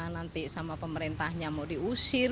nanti sama pemerintahnya mau diusir